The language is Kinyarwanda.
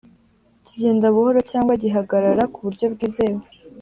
kigenda buhoro cyangwa gihagarara ku buryo bwizewe